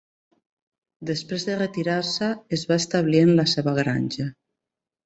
Després de retirar-se, es va establir en la seva granja.